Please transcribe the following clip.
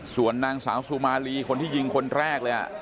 ส่วนนางสาวสุมาลีคนที่ยิงคนแรกเลย